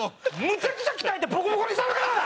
むちゃくちゃ鍛えてボコボコにしたるからな！